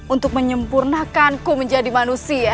untuk menyempurnakanku menjadi manusia